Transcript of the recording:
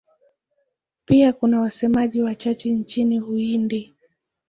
Pia kuna wasemaji wachache nchini Uhindi.